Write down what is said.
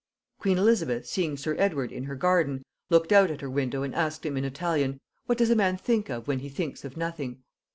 "Queen Elizabeth, seeing sir Edward in her garden, looked out at her window and asked him, in Italian, 'What does a man think of when he thinks of nothing?'